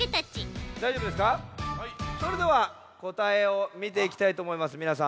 それではこたえをみていきたいとおもいますみなさん。